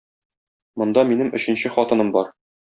Монда минем өченче хатыным бар.